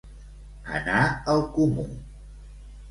Anar al comú.